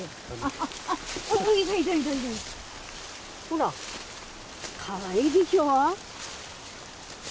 ほらかわいいでしょ。